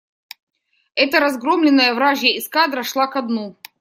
Это разгромленная вражья эскадра шла ко дну.